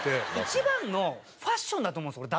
一番のファッションだと思うんですよ